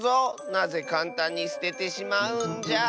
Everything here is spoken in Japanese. なぜかんたんにすててしまうんじゃ！